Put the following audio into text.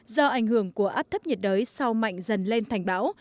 do ảnh hưởng của áp thấp nhiệt đới sau mạnh dần lên thành bão